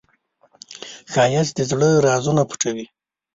ښایست د زړه رازونه پټوي